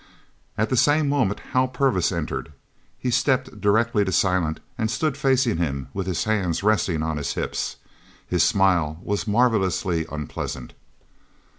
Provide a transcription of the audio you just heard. At the same moment Hal Purvis entered. He stepped directly to Silent, and stood facing him with his hands resting on his hips. His smile was marvellously unpleasant.